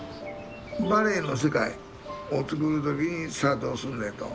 ヴァレーの世界をつくる時にさあどうすんねんと。